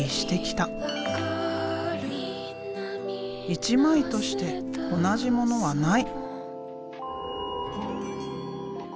一枚として同じものはない。